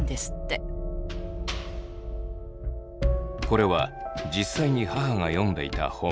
これは実際に母が読んでいた本。